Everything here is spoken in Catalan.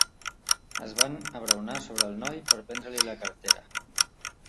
Es van abraonar sobre el noi per prendre-li la cartera.